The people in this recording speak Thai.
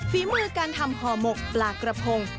ฝีมือการทำห่อหมกปลากระพง